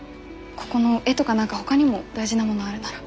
ここの絵とか何かほかにも大事なものあるなら。